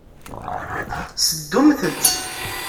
Seddumt-tt.